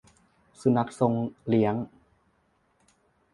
สุนัขทรงเลี้ยง